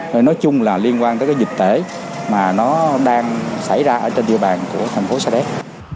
nên nói chung là liên quan tới cái dịch tễ mà nó đang xảy ra ở trên địa bàn của thành phố sa đéc